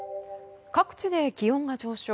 各地で気温が上昇。